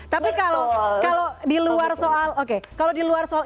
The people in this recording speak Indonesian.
tapi kalau di luar soal